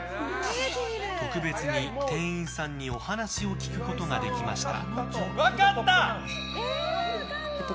特別に、店員さんにお話を聞くことができました。